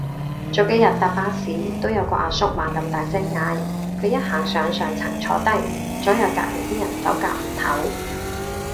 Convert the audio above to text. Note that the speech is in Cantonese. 早幾日搭巴士都有個阿叔猛咁大聲嗌，佢一行上上層坐低，左右隔離啲人走夾唔唞